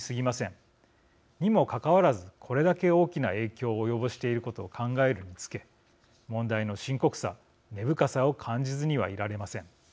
にもかかわらずこれだけ大きな影響を及ぼしていることを考えるにつけ問題の深刻さ根深さを感じずにはいられません。